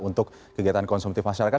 untuk kegiatan konsumtif masyarakat